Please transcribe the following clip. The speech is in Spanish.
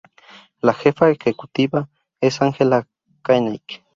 La jefa ejecutiva es Angela Knight.